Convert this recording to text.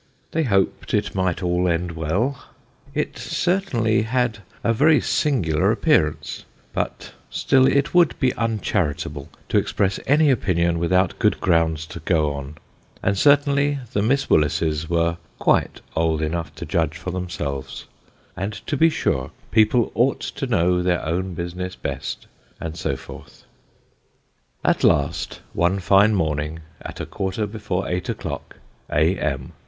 They hoped it might all end well ; it certainly had a very singular appearance, but still it would be uncharitable to express any opinion without good grounds to go upon, and certainly the Miss Willises were quite old enough to judge for themselves, and to be sure people ought to know their own business best, and so forth. At last, one fine morning, at a quarter before eight o'clock, a.m.